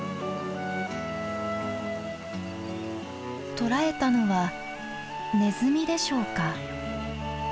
捕らえたのはネズミでしょうか？